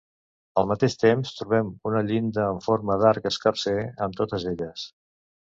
Al mateix temps trobem una llinda en forma d'arc escarser en totes elles.